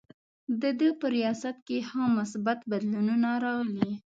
د ده په ریاست کې ښه مثبت بدلونونه راغلي.